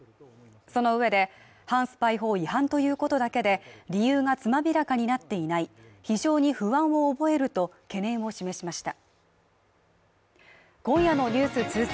その上で、反スパイ法違反ということだけで理由がつまびらかになっていない非常に不安を覚えると懸念を示しました。